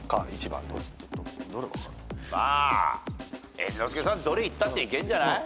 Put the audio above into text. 猿之助さんどれいったっていけんじゃない？